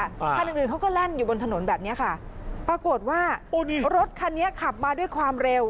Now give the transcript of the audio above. คันอื่นอื่นเขาก็แล่นอยู่บนถนนแบบเนี้ยค่ะปรากฏว่ารถคันนี้ขับมาด้วยความเร็ว